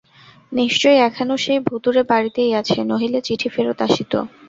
নিশ্চয়ই এখনো সেই ভুতুড়ে বাড়িতেই আছে, নহিলে চিঠি ফেরত আসিত।